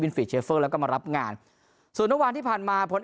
ฟีดเชฟเฟอร์แล้วก็มารับงานส่วนเมื่อวานที่ผ่านมาผล